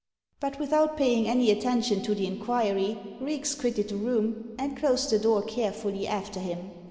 But without paying any attention to the inquiry, Reeks quitted the room, and closed the door carefully after him.